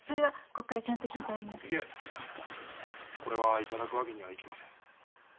いえこれは頂くわけにはいきません。